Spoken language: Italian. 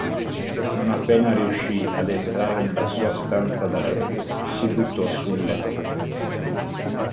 Non appena riuscì ad entrare nella sua stanza da letto, si buttò sul letto.